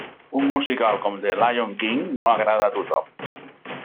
Un musical com The Lyon King no agrada a tothom.